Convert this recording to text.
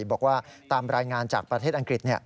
บอกว่าตามรายงานจากประเทศอังกฤษ